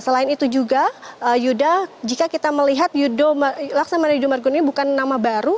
selain itu juga yuda jika kita melihat laksamana yudo margono ini bukan nama baru